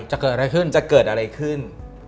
จะเกิดอะไรขึ้น